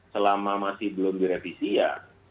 selama masih belum direvisi ya